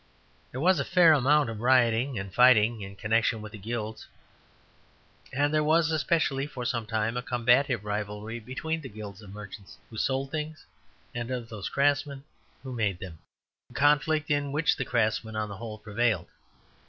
There was a fair amount of rioting and fighting in connection with the Guilds; and there was especially for some time a combative rivalry between the guilds of merchants who sold things and those of craftsmen who made them, a conflict in which the craftsmen on the whole prevailed.